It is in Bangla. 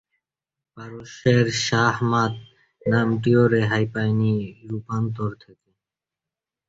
পারস্যের ‘শাহ-মাৎ’ নামটিও রেহাই পায়নি রূপান্তর থেকে।